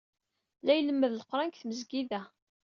La ilemmed Leqran deg tmesgida.